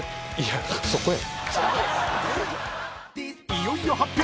［いよいよ発表］